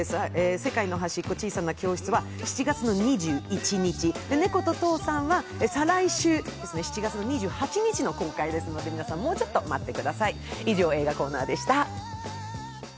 「世界のはしっこ、ちいさな教室」は７月の２１日、「猫と、とうさん」は再来週７月２８日の公開ですので皆さん、もうちょっと待ってください。